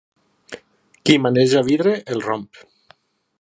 Qui maneja vidre el romp.